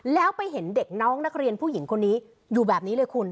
แล้วไปเห็นเด็กน้องนักเรียนผู้หญิงคนนี้อยู่แบบนี้เลยคุณ